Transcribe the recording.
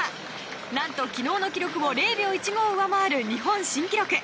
なんと、昨日の記録を０秒１５上回る日本新記録。